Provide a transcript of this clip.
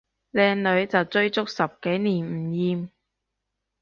靚女就追足十幾年唔厭